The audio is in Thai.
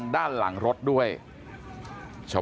สวัสดีครับคุณผู้ชาย